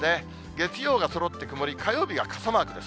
月曜がそろって曇り、火曜日が傘マークです。